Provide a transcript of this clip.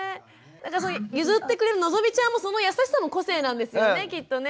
譲ってくれるのぞみちゃんもその優しさも個性なんですよねきっとね。